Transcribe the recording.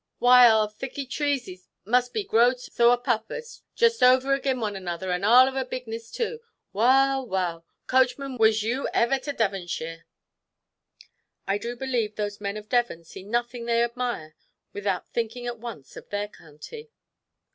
Why, arl thiccy treeses must a growed so a puppose, just over again one another, and arl of a bigness too. Wull, wull! Coachman, was ever you to Davonsheer?" I do believe those men of Devon see nothing they admire, without thinking at once of their county.